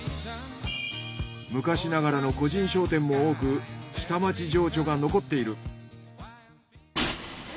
昔ながらの個人商店も多く下町情緒が残っている。